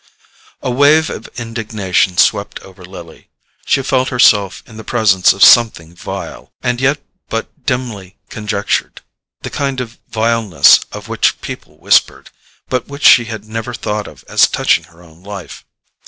A wave of indignation swept over Lily. She felt herself in the presence of something vile, as yet but dimly conjectured—the kind of vileness of which people whispered, but which she had never thought of as touching her own life.